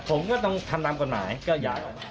ผมก็ต้องทำตามกฎหมาย